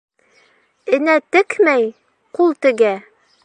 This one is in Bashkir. Энә текмәй, ҡул тегә.